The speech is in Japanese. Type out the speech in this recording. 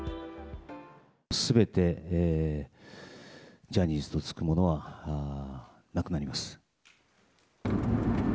すべてジャニーズと付くものはなくなります。